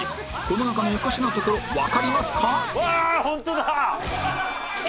この中のおかしなところわかりますか？